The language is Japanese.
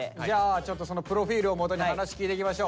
ちょっとそのプロフィールをもとに話聞いていきましょう。